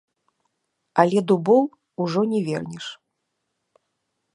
Але дубоў ужо не вернеш.